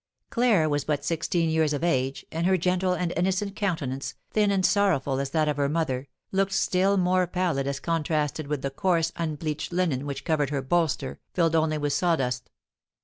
Claire was but sixteen years of age, and her gentle and innocent countenance, thin and sorrowful as that of her mother, looked still more pallid as contrasted with the coarse, unbleached linen which covered her bolster, filled only with sawdust.